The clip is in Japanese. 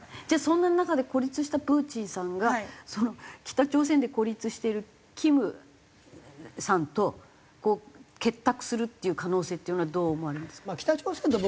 じゃあそんな中で孤立したプーチンさんが北朝鮮で孤立してる金さんと結託するっていう可能性っていうのはどう思われますか？